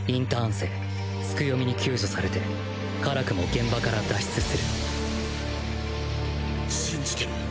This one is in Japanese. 生ツクヨミに救助されて辛くも現場から脱出する信じてる！